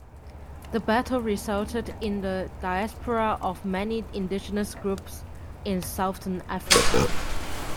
The battle resulted in the diaspora of many indigenous groups in southern Africa.